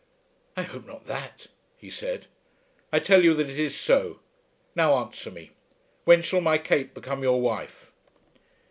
"I hope not that," he said. "I tell you that it is so. Now answer me. When shall my Kate become your wife?"